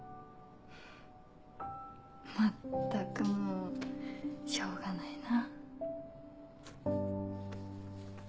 まったくもうしょうがないな。